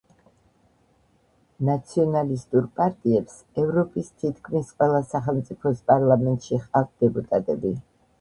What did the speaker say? ნაციონალისტურ პარტიებს ევროპის თითქმის ყველა სახელმწიფოს პარლამენტში ჰყავთ დეპუტატები.